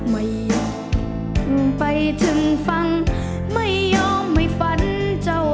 ไม่ยอมไปถึงฟังไม่ยอมไม่ฝันเจ้า